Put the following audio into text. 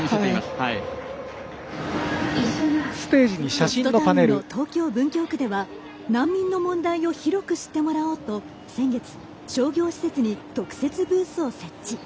ホストタウンの東京、文京区では難民の問題を広く知ってもらおうと先月、商業施設に特設ブースを設置。